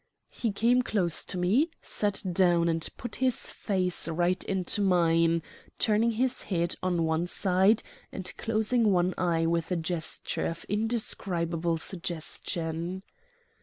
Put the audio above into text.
He came close to me, sat down, and put his face right into mine, turning his head on one side and closing one eye with a gesture of indescribable suggestion.